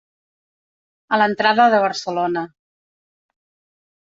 A l'entrada de Barcelona.